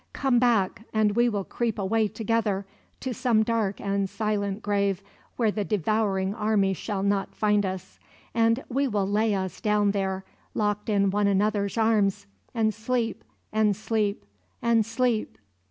Come back, and we will creep away together, to some dark and silent grave where the devouring army shall not find us; and we will lay us down there, locked in one another's arms, and sleep, and sleep, and sleep.